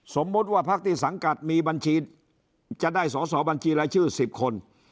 สมมุติว่าพักที่สังกัดมีบัญชีจะได้สอสอบัญชีรายชื่อ๑๐คน